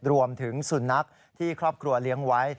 รวมถึงสุนัขที่ครอบครัวเลี้ยงไว้